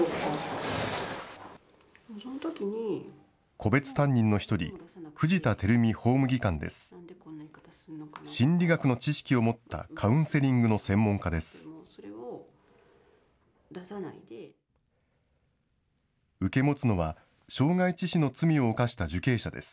個別担任の一人、藤田輝美法務技官です。